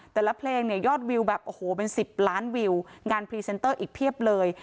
แต่ละเพลงเนี่ยยอดวิวแบบโอ้โหเป็น๑๐ล้านวิวงานพรีเซนเตอร์อีกเพียบเลย